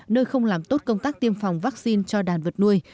nơi không làm tốt công tác tiêm phòng vaccine cho đàn vật nuôi